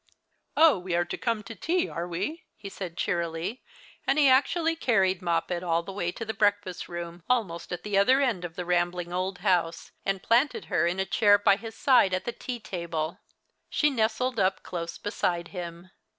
" Oh, we are to come to tea, are we ?" he said cheerily, and he actually carried 3Ioppet all the way to the breakfast room, almost at the other end of the rambling old house, and planted her in a chair by his side at the tea table, ^^he nestled up close beside him.